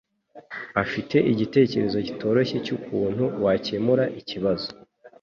afite igitekerezo kitoroshye cyukuntu wakemura ikibazo.